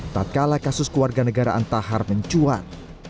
setelah kasus keluarga negaraan tahar mencuat